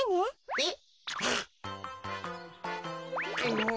えっ！